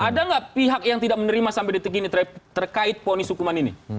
ada nggak pihak yang tidak menerima sampai detik ini terkait ponis hukuman ini